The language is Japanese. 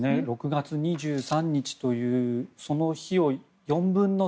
６月２３日というその日を、４分の３。